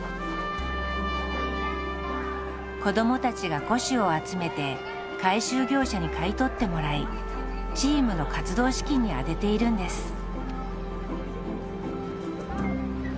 子どもたちが古紙を集めて回収業者に買い取ってもらいチームの活動資金に充てているんです。